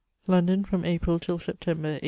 London, from April till September, 1822.